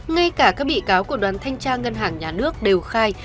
ngay cả các bị cáo của đoàn thanh tra ngân hàng nhà nước đều khai